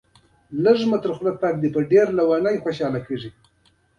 نن ورځ د وینزویلا ډېر وګړي د چاوېز د تګلارې ملاتړ کوي.